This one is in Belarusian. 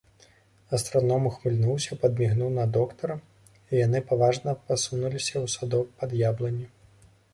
Астраном ухмыльнуўся, падмігнуў на доктара, і яны паважна пасунуліся ў садок пад яблыню.